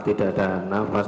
tidak ada nafas